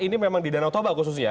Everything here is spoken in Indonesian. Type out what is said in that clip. ini memang di danau toba khususnya